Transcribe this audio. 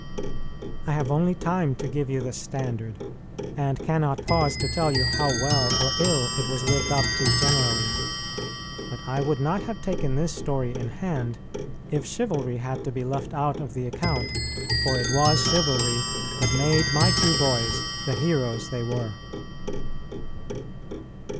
I have only time to give you the standard, and cannot pause to tell you how well or ill it was lived up to generally. But I would not have taken this story in hand if chivalry had to be left out of the account, for it was chivalry that made my two boys the heroes they were.